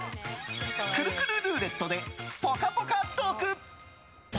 くるくるルーレットでぽかぽかトーク。